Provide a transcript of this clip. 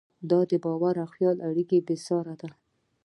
د باور او خیال اړیکه بېساري ده.